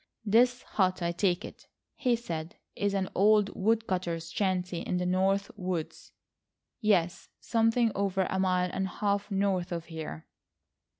"This hut, I take it," he said, "is an old woodcutter's shanty in the north woods?" "Yes, something over a mile and a half north of here."